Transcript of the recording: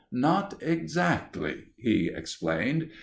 "Not exactly," he explained.